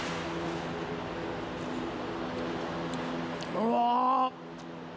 うわ！